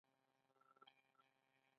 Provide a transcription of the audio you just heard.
خټکی د پاکو لاسونو میوه ده.